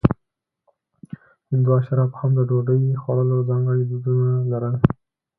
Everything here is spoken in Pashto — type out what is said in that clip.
هندو اشرافو هم د ډوډۍ خوړلو ځانګړي دودونه لرل.